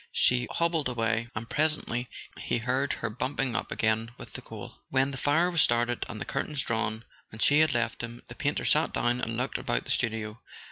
She hobbled away, and presently he heard her bump¬ ing up again with the coal. When his fire was started, and the curtains drawn, and she had left him, the painter sat down and looked about the studio.